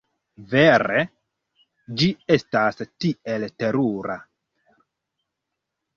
Vere. Ĝi estas tiel terura.